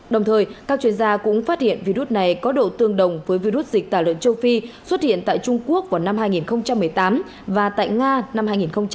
đồng thời các chuyên gia cũng phát hiện virus này có độ tương đồng với virus dịch tả lợn châu phi xuất hiện tại trung quốc vào năm hai nghìn một mươi tám và tại nga năm hai nghìn một mươi tám